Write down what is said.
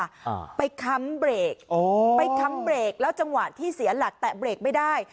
อ่าไปค้ำเบรกโอ้ไปค้ำเบรกแล้วจังหวะที่เสียหลักแต่เบรกไม่ได้